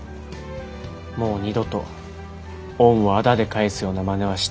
もう二度と恩をあだで返すようなまねはしたくねえ。